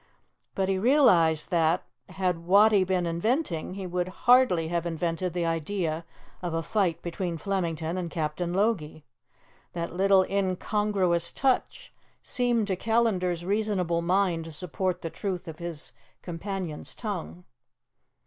But he realized that, had Wattie been inventing, he would hardly have invented the idea of a fight between Flemington and Captain Logie. That little incongruous touch seemed to Callandar's reasonable mind to support the truth of his companion's tongue.